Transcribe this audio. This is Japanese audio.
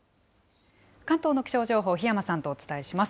関東の気象情報、檜山さんとお伝えします。